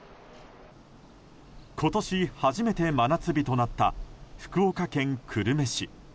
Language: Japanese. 今年初めて真夏日となった福岡県久留米市。